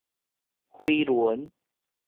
飛輪